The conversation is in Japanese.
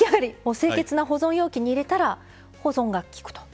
清潔な保存容器に入れたら保存がきくと。